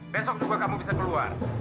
besok juga kamu bisa keluar